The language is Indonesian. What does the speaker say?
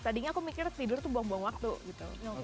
tadinya aku mikir tidur tuh buang buang waktu gitu